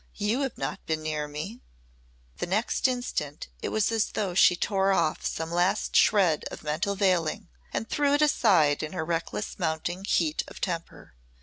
You have not been near me." The next instant it was as though she tore off some last shred of mental veiling and threw it aside in her reckless mounting heat of temper.